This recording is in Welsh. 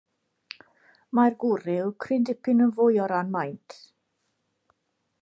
Mae'r gwryw cryn dipyn yn fwy o ran maint.